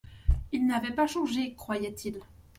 Il n'avait pas changé, croyait-il.